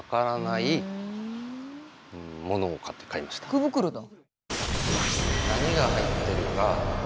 福袋だ。